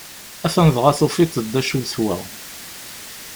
Atan dɣa tufiḍ-d acu-t wa!